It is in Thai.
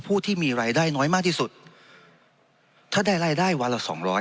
ผู้ที่มีรายได้น้อยมากที่สุดถ้าได้รายได้วันละสองร้อย